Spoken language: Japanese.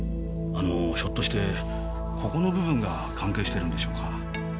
あのひょっとしてここの部分が関係してるんでしょうか。